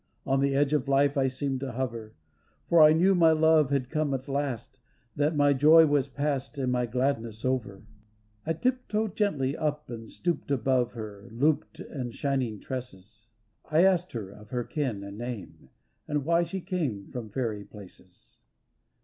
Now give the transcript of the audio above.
On the edge of life I seemed to hover. For I knew my love had come at last. That my joy was past and my gladness over. 281 282 THE LANAWN SHEE I tiptoed gently up and stooped Above her looped and shining tresses, And asked her of her kin and name, And why she came from fairy places.